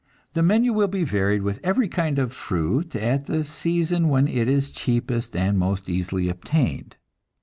The menu will be varied with every kind of fruit at the season when it is cheapest and most easily obtained.